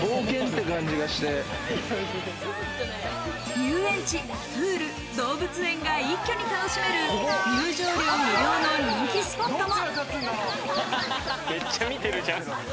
遊園地、プール、動物園が一挙に楽しめる、入場料無料の人気スポットも。